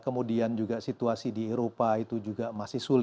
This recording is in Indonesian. kemudian juga situasi di eropa itu juga masih sulit